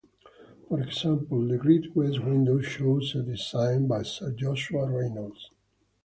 For example, the Great West window shows a design by Sir Joshua Reynolds.